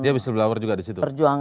dia whistleblower juga di situ